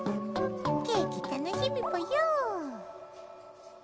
ケーキ楽しみぽよ。